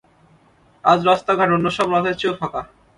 আজ রাস্তাঘাট অন্যসব রাতের চেয়েও ফাঁকা।